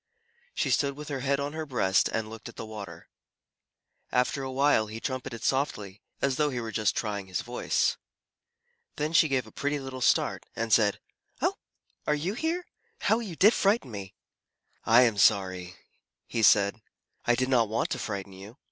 She stood with her head on her breast and looked at the water. After a while, he trumpeted softly, as though he were just trying his voice. Then she gave a pretty little start, and said, "Oh, are you here? How you did frighten me!" "I am sorry," he said. "I did not want to frighten you."